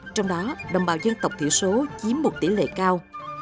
trong đó đồng bào dân tộc thiểu số chiếm một tỷ lệ cao